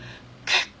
結婚。